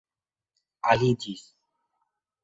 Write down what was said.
aliĝis